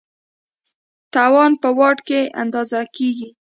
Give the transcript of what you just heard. توان په واټ کې اندازه کېږي.